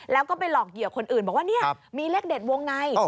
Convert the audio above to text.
แล้วก็ไปหลอกเหยื่อคนอื่นบอกว่าเนี่ยมีเลขเด็ดวงใน